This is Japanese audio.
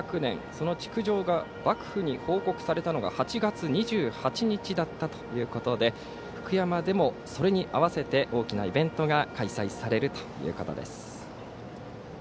その築城が幕府に報告されたのが８月２２日だったということで福山でもそれに合わせて大きなイベントが開催されるということです。